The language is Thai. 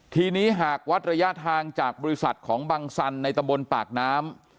ทีนี้หากวัดระยะทางจากบริษัทของบังสันในตำบลปากน้ำ